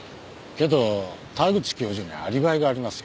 けど田口教授にはアリバイがありますよ。